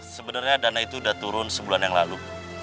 sebenarnya dana itu sudah turun sebulan yang lalu